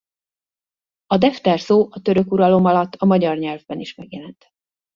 A defter szó a török uralom alatt a magyar nyelvben is megjelent.